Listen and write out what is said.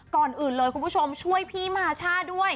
ก่อนอื่นเลยคุณผู้ชมช่วยพี่มาช่าด้วย